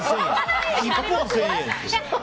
１本１０００円って。